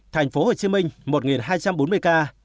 thành phố hồ chí minh một hai trăm bốn mươi ca